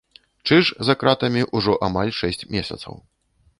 Чыж за кратамі ўжо амаль шэсць месяцаў.